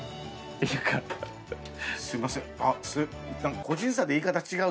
すいませんそれ。